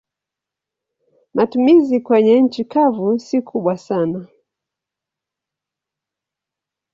Matumizi kwenye nchi kavu si kubwa sana.